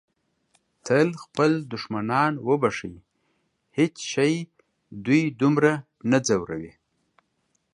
تل خپل دښمنان وبښئ. هیڅ شی دوی دومره نه ځوروي.